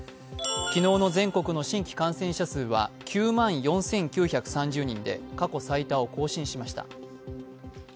昨日の全国の新規感染者数は９万４９３０人で、過去最多を更新しました。